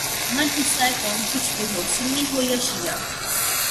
من حیثء قوم کچھ بھی ہو، سنی ہو یا شعیہ